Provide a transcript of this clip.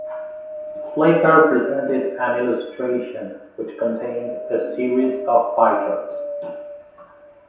Playfair presented an illustration, which contained a series of pie charts.